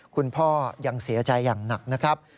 คุณพ่อยังเสียใจอย่างหนักนะครับ